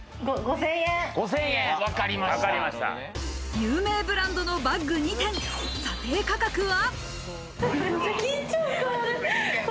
有名ブランドのバッグ２点、査定価格は。